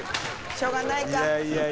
しょうがないか。